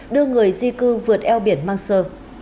đưa người di cư vượt eo biển mang sơ